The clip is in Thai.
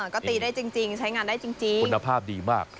ก็ตีได้จริงใช้งานได้จริงคุณภาพดีมาก